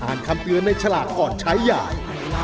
อ่านคำเตือนในฉลากก่อนใช้อย่าง